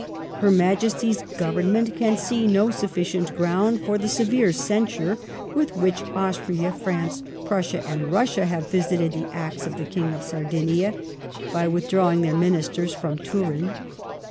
... Her Majesty's Government can see no sufficient ground for the severe censure with which Austria, France, Prussia, and Russia have visited the acts of the King of Sardinia [by withdrawing their ministers from Turin].